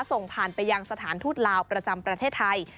ส่งผ่านไปยังสถานทูตลาวประจำประเทศไทย